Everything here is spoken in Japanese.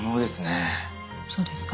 そうですか。